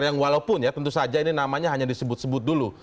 yang walaupun ya tentu saja ini namanya hanya disebut sebut dulu